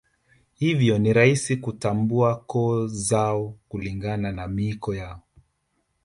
Hivyo ni rahisi kutambua koo zao kulingana na miiko yao